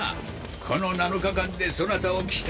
この７日間でそなたを鍛える！